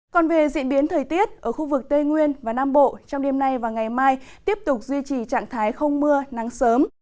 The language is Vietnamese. còn về diễn biến thời tiết ở khu vực tây nguyên và nam bộ trong đêm nay và ngày mai tiếp tục duy trì trạng thái không mưa nắng sớm